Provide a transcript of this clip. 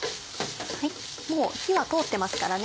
もう火は通ってますからね。